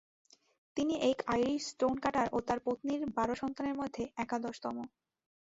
তিনি এক Irish stone cutter ও তার পত্নীর বারো সন্তানের মধ্যে একাদশতম।